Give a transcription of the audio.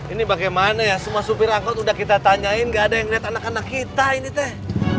ini bagaimana ya semua supir angkot udah kita tanyain gak ada yang lihat anak anak kita ini teh